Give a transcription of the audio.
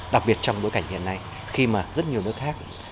đặc biệt trong bối cảnh hiện nay khi mà rất nhiều nước khác